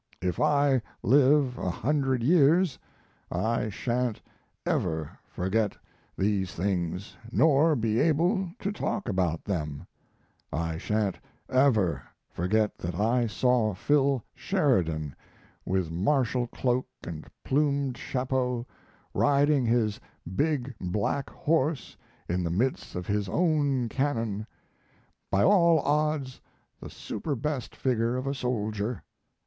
If I live a hundred years I sha'n't ever forget these things, nor be able to talk about them. I sha'n't ever forget that I saw Phil Sheridan, with martial cloak and plumed chapeau, riding his big black horse in the midst of his own cannon; by all odds the superbest figure of a soldier.